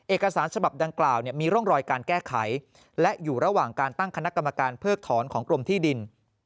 เอกสารฉบับดังกล่าวมีร่องรอยการแก้ไขและอยู่ระหว่างการตั้งคณะกรรมการเพิกถอนของกรมที่ดิน